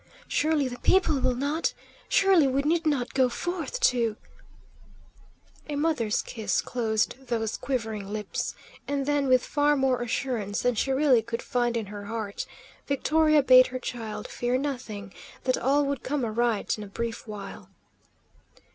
"Surely the people will not surely we need not go forth to " A mother's kiss closed those quivering lips, and then, with far more assurance than she really could find in her heart, Victoria bade her child fear nothing; that all would come aright in a brief while.